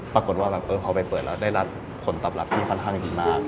ปรากฏว่าพอไปเปิดแล้วได้รับผลตอบรับที่ค่อนข้างดีมาก